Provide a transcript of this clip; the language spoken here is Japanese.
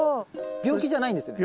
病気じゃないんですよね？